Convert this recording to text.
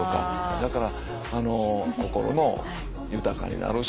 だから心も豊かになるし。